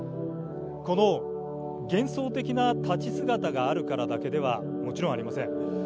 それはこの幻想的な立ち姿があるからだけではもちろんありません。